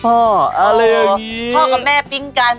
พ่อกับแม่ปิ้งกัน